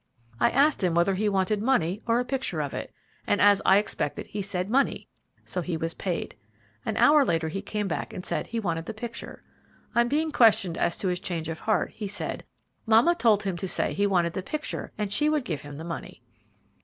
I asked him whether he wanted money or a picture of it, and as I expected, he said 'money,' so he was paid. An hour later he came back and said he wanted the picture. On being questioned as to his change of heart, he said "mamma told him to say he wanted the picture, and she would give him the money."